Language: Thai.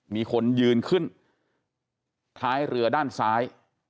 มีคนยืนขึ้นท้ายเรือด้านซ้าย